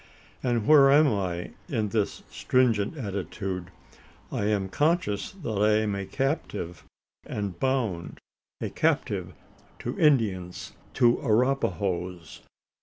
And where am I in this stringent attitude? I am conscious that I am a captive and bound a captive to Indians to Arapahoes.